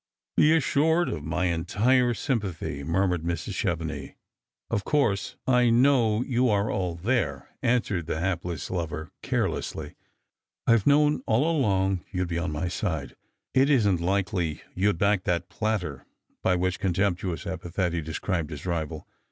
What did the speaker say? "Be assured of my entire sympathy," murmured Mrs. Chevenix. ' t^ 'v*s, of course, I know you are all there," answered the ?22 Strangers and Pilgrims. Japless lover, carelessly. "I've known all along you'd be on jny side. It isn't likely you'd back that plater," — by which contemptuous epithet he described his rival.